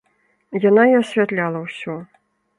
Яна і асвятляла ўсё.